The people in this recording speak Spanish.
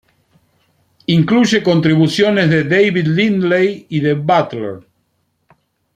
Incluye contribuciones de David Lindley y de Butler.